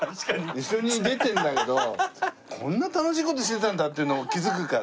一緒に出てるんだけどこんな楽しい事してたんだっていうのを気づくから。